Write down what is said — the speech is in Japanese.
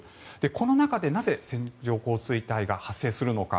この中でなぜ線状降水帯が発生するのか。